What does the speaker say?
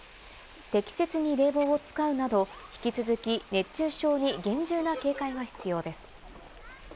適切に冷房を使うなど、引き続き、熱中症に厳重な警戒が必要です。